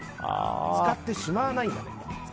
使って、しまわないんだね。